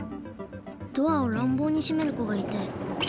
ドアをらんぼうにしめる子がいて。